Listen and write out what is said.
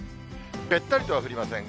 べったりとは降りません。